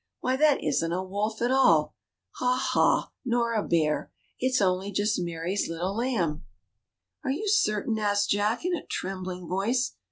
AA^hy, that isn't a wolf at all ; ha, ha ! nor a bear ! it's only just Mary's Little Lamb." Are you certain ?" asked Jack, in a trembling voice.